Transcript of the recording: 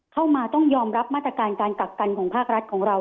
เข้ามาต้องยอมรับมาตรการการกักกันของภาครัฐของเรา